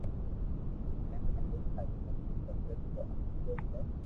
ھمي آگي ٿاري مرزي پسي تو آپ جوئي لي